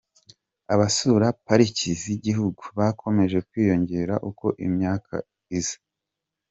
Abasura pariki z’igihugu bakomeje kwiyongera uko imyaka iza.